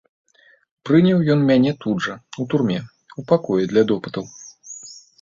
Прыняў ён мяне тут жа, у турме, у пакоі для допытаў.